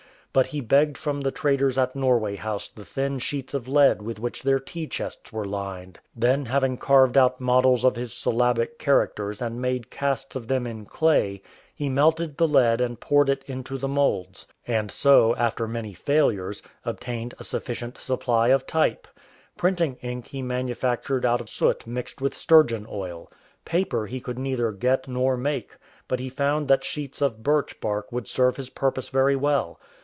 But he begged from the traders at Norway House the thin sheets of lead with which their tea chests were lined. Then, having carved out models of his syllabic characters and 210 THE TALKING BIRCH BARK made casts of them in clay, he melted the lead and poured it into the moulds ; and so, after many failures, obtained a sufficient supply of type. Printing ink he manufactured out of soot mixed with sturgeon oil. Paper he could neither get nor make, but he found that sheets of birch bark would serve his purpose very well.